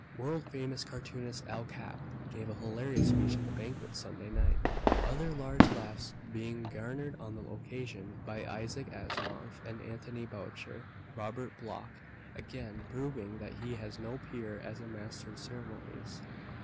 World famous cartoonist Al Capp gave a hilarious speech at the Banquet Sunday night, other large laughs being garnered on the occasion by Isaac Asimov and Anthony Boucher, Robert Bloch again proving that he has no peer as a Master of Ceremonies.